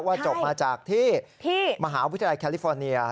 จบมาจากที่มหาวิทยาลัยแคลิฟอร์เนีย